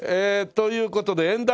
という事で援団？